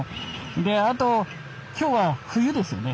であと今日は冬ですよね。